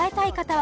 は